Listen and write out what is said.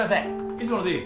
いつものでいい？